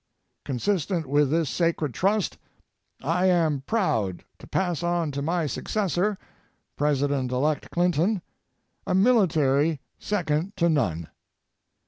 Consistent with this sacred trust, I am proud to pass on to my successor, President elect Clinton, a military second to none.